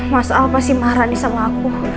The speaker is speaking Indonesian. mas al pasti marah nih sama aku